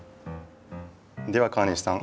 では川西さん